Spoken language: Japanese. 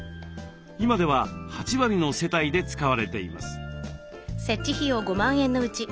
今では８割の世帯で使われています。